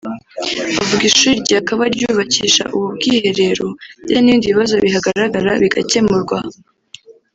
Avuga ishuri ryakaba ryubakisha ubu bwiherero ndetse n’ibindi bibazo bihagaragara bigakemurwa